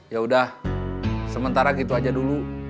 ya udah sementara gitu aja dulu